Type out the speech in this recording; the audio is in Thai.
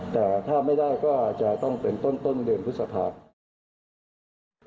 แต่ถ้าไม่ได้ก็จะต้องเป็นต้นเดือนพฤษภาคม